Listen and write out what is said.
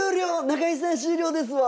中居さん終了ですわ。